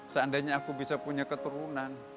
seandainya aku bisa punya keturunan